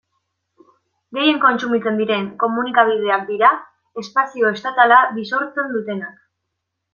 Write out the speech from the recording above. Gehien kontsumitzen diren komunikabideak dira espazio estatala bisortzen dutenak.